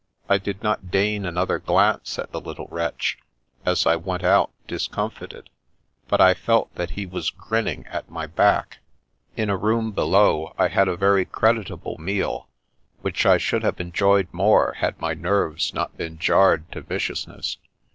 I did not deign another glance at the little wretch, as I went out, discomfited, but I felt that he was grinning at my back. io6 The Princess Passes In a room below, I had a very creditable meal^ which I should have enjoyed more, had my nerves not been jarred to viciousness.